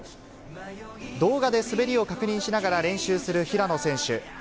動画で滑りを確認しながら練習する平野選手。